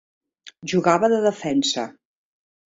Jugava de Defensa.